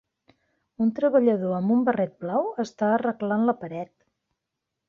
Un treballador amb un barret blau està arreglant la paret.